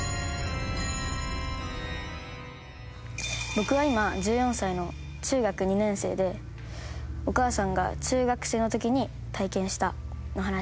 僕は今１４歳の中学２年生でお母さんが中学生の時に体験したお話なんですけど。